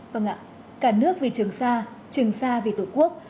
vâng ạ cả nước vì trường xa trường xa vì tổ quốc